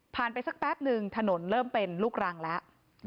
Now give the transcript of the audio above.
ไปสักแป๊บนึงถนนเริ่มเป็นลูกรังแล้ว